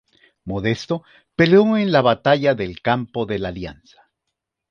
Modesto peleó en la batalla del Campo de la Alianza.